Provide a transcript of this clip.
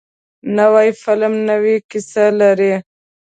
نوی فلم نوې کیسه لري